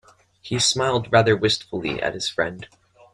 He smiled rather wistfully at his friend.